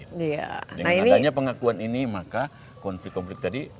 dengan adanya pengakuan ini maka konflik konflik tadi